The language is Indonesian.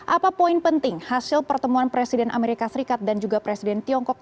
apa poin penting hasil pertemuan presiden amerika serikat dan juga presiden tiongkok